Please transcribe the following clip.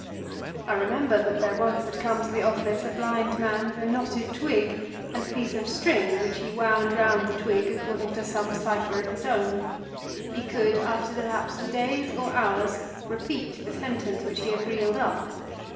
I remember that there had once come to the office a blind man with a knotted twig and a piece of string which he wound round the twig according to some cypher of his own. He could, after the lapse of days or hours, repeat the sentence which he had reeled up.